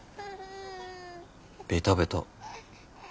ベタベタ。